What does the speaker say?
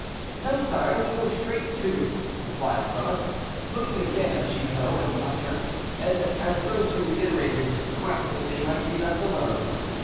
"No, sire, we go straight to it," replied Quelus, looking again at Chicot and the usher, as though to reiterate his request that they might be left alone.